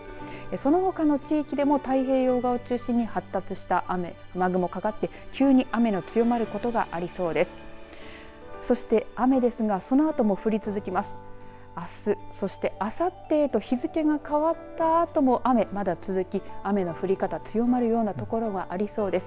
そのほかの地域でも太平洋側を中心に発達した雨雲がかかって急に雨の強まることがありそうです。